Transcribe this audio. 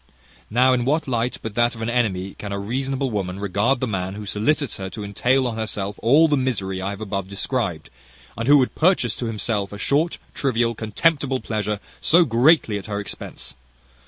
Now in what light, but that of an enemy, can a reasonable woman regard the man who solicits her to entail on herself all the misery I have described to you, and who would purchase to himself a short, trivial, contemptible pleasure, so greatly at her expense!